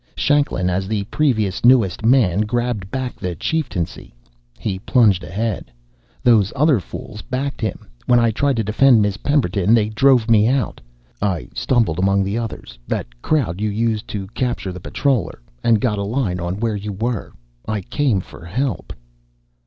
"Shanklin, as the previous newest man, grabbed back the chieftaincy," he plunged ahead. "Those other fools backed him. When I tried to defend Miss Pemberton, they drove me out. I stumbled among the others that crowd you used to capture the patroller and got a line on where you were. I came for help."